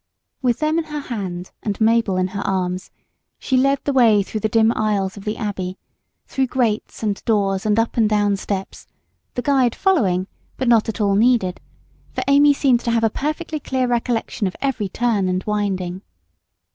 With them in her hand, and Mabel in her arms, she led the way through the dim aisles of the Abbey, through grates and doors and up and down steps; the guide following, but not at all needed, for Amy seemed to have a perfectly clear recollection of every turn and winding.